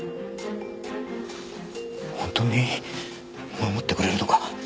本当に守ってくれるのか？